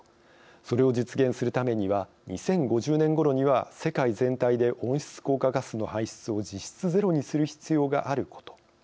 それを実現するためには２０５０年頃には世界全体で温室効果ガスの排出を実質ゼロにする必要があること。